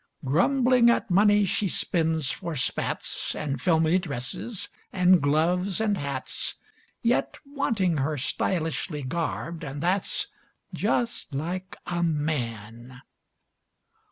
Grumbling at money she spends for spats And filmy dresses and gloves and hats, Yet wanting her stylishly garbed, and that's "Just like a man!"